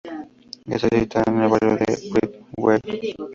Está situada en el barrio de "Ridgeway".